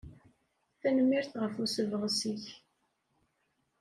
Tanemmirt ɣef usebɣes-ik.